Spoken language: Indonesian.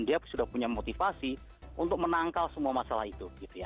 dia sudah punya motivasi untuk menangkal semua masalah itu